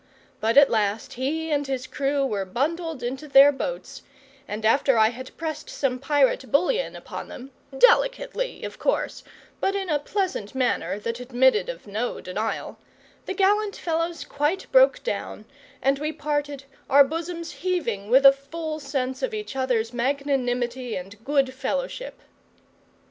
But at last he and his crew were bundled into their boats; and after I had pressed some pirate bullion upon them delicately, of course, but in a pleasant manner that admitted of no denial the gallant fellows quite broke down, and we parted, our bosoms heaving with a full sense of each other's magnanimity and good fellowship.